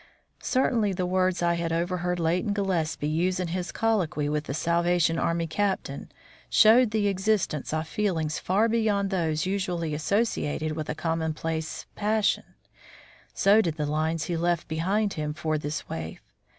Certainly the words I had overheard Leighton Gillespie use in his colloquy with the Salvation Army Captain showed the existence of feelings far beyond those usually associated with a commonplace passion; so did the lines he had left behind him for this waif.